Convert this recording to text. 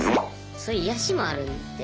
そういう癒やしもあるんで。